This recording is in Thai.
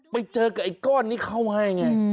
ไปเจอกับไอ้ก้อนนี้เข้าให้ไง